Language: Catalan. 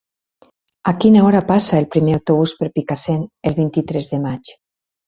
A quina hora passa el primer autobús per Picassent el vint-i-tres de maig?